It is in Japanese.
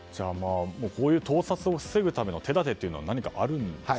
こういう盗撮を防ぐための手立ては何かあるんですか。